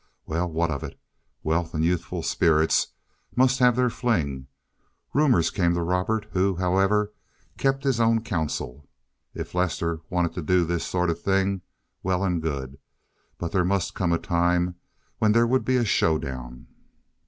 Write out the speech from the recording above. Well, what of it? Wealth and youthful spirits must have their fling. Rumors came to Robert, who, however, kept his own counsel. If Lester wanted to do this sort of thing, well and good. But there must come a time when there would be a show down.